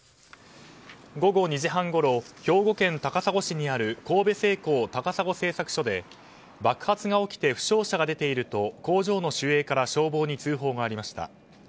午後２時半ごろ兵庫県高砂市にある神戸製鋼高砂製鉄所で爆発が起きて負傷者が出ていると工場の守衛から消防に通報がありました。